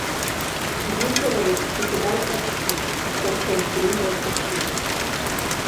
Гітлеравец пакідаў храпці і толькі ўздрыгваў плячыма.